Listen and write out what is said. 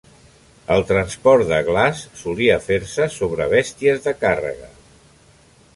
El transport de glaç solia fer-se sobre bèsties de càrrega.